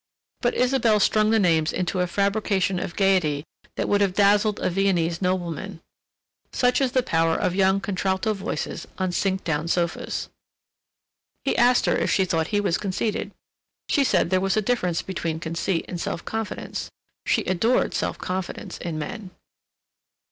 But Isabelle strung the names into a fabrication of gayety that would have dazzled a Viennese nobleman. Such is the power of young contralto voices on sink down sofas. He asked her if she thought he was conceited. She said there was a difference between conceit and self confidence. She adored self confidence in men.